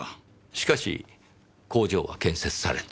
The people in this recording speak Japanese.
しかし工場は建設された。